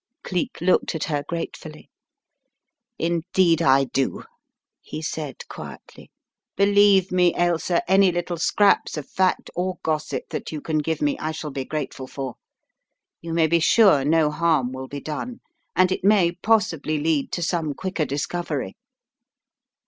Cleek looked at her gratefully. "Indeed I do," he said, quietly. "Believe me, Ailsa, any little scraps of fact or gossip that you can give me I shall be grateful for. You may be sure no harm will be done, and it may possibly lead to some quicker discovery."